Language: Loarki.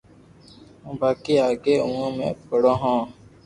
باقي آگي اومون ھي پڙو ھون